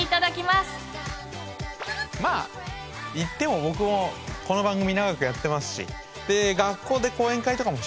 まあ言っても僕もこの番組長くやってますし。